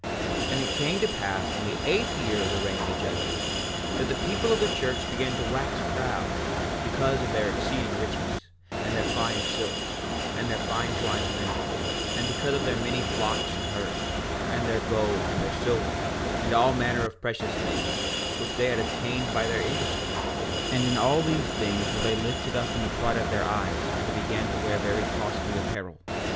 4:6 And it came to pass in the eighth year of the reign of the judges, that the people of the church began to wax proud, because of their exceeding riches, and their fine silks, and their fine twined linen, and because of their many flocks and herds, and their gold and their silver, and all manner of precious things, which they had obtained by their industry; and in all these things were they lifted up in the pride of their eyes, for they began to wear very costly apparel.